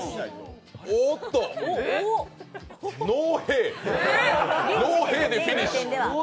おおっと、ノーへぇでフィニッシュ。